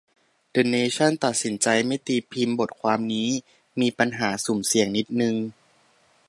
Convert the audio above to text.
เดอะเนชั่น ตัดสินใจไม่ตีพิมพ์บทความนี้ "มีปัญหาสุ่มเสี่ยงนิดนึง"